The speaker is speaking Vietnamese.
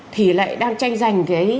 thì lại đang tranh giành